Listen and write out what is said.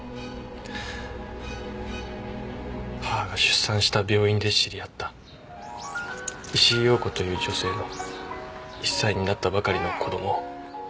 母が出産した病院で知り合った石井陽子という女性の１歳になったばかりの子供を。